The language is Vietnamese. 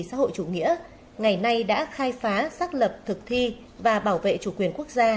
xã hội chủ nghĩa ngày nay đã khai phá xác lập thực thi và bảo vệ chủ quyền quốc gia